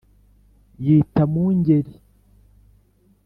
yita mu ngeri